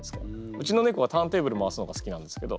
うちの猫はターンテーブル回すのが好きなんですけど。